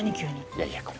いやいやこれ。